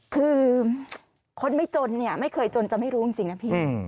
คือคนไม่จนเนี่ยไม่เคยจนจะไม่รู้จริงนะพี่